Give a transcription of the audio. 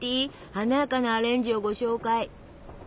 華やかなアレンジをご紹介！